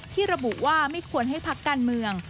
ที่ระบุว่าไม่ควรให้พักการเมือง